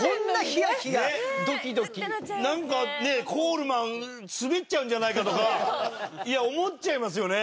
なんかコールマン滑っちゃうんじゃないかとか思っちゃいますよね。